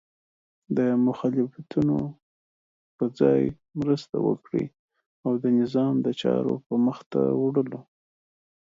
د مخالفتونو په ځای مرسته وکړئ او د نظام د چارو په مخته وړلو